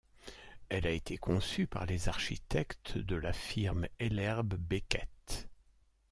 Elle a été conçue par les architectes de la firme Ellerbe Becket.